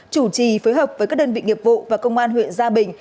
chủ trì phối hợp với các đơn vị nghiệp vụ và công an huyện gia bình